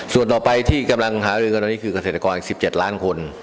ส่วนต่อไปที่กำลังหาเงินเงินตอนนี้คือกเศรษฐกรอีก๑๗ล้านคน